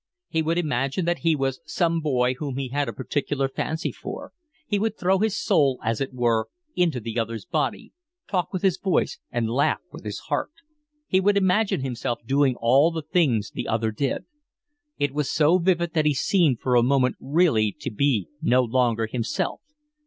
He would imagine that he was some boy whom he had a particular fancy for; he would throw his soul, as it were, into the other's body, talk with his voice and laugh with his heart; he would imagine himself doing all the things the other did. It was so vivid that he seemed for a moment really to be no longer himself.